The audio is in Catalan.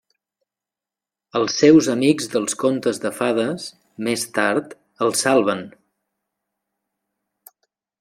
Els seus amics dels contes de fades, més tard, els salven.